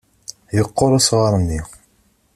Yeqqur usɣar-nni.